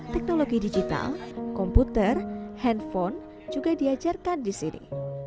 teknologi digital komputer handphone juga diajarkan di sini